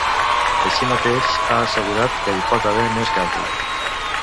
Així mateix, ha assegurat que “hi pot haver més casos”.